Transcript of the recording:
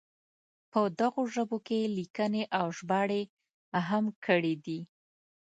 په دغو ژبو کې یې لیکنې او ژباړې هم کړې دي.